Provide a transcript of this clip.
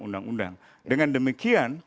undang undang dengan demikian